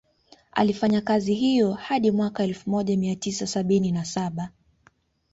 Alifanya kazi hiyo hadi mwaka elfu moja mia tisa sabini na saba